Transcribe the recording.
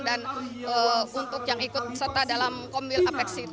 dan untuk yang ikut serta dalam komil apeksi tiga ini